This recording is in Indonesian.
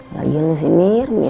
lagian lu si mir mir